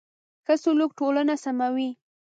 ښه سلوک ټولنه سموي.